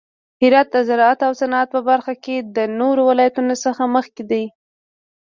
هرات د زراعت او صنعت په برخه کې د نورو ولایتونو څخه مخکې دی.